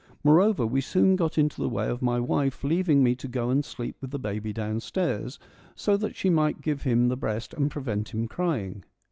Moreover, we soon got into the way of my wife leaving me to go and sleep with the baby downstairs, so that she might give him the breast and prevent him crying.